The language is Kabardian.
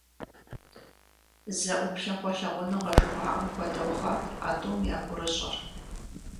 Зэ ӏуплъэгъуэ лъагъуныгъэ жыхуаӏэм хуэдэ хъуат а тӏум я гурыщӏэр.